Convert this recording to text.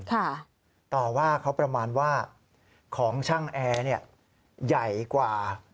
ต่อว่าเขาประมาณว่าของช่างแอร์เนี่ยใหญ่กว่า